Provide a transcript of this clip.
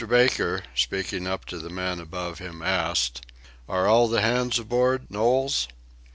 Baker, speaking up to the man above him, asked: "Are all the hands aboard, Knowles?"